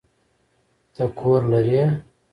ته کور لری؟